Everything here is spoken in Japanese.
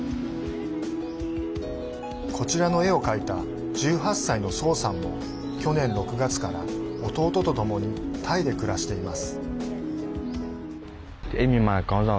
こちらの絵を描いた１８歳のソウさんも去年６月から弟とともにタイで暮らしています。